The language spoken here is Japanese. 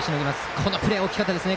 このプレー大きかったですね